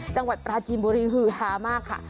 จังหวัดปราจีนบุรีฮือฮามากค่ะ